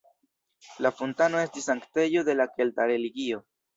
La fontano estis sanktejo de la kelta religio.